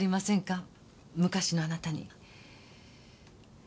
昔のあなたに。